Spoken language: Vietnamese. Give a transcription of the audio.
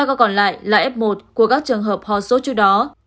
ba ca còn lại là f một của các trường hợp hò sốt trước đó